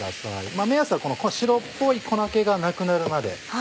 まぁ目安はこの白っぽい粉気がなくなるまで。